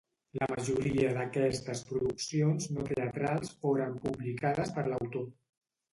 La majoria d'aquestes produccions no teatrals foren publicades per l'autor.